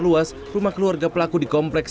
luas rumah keluarga pelaku di kompleks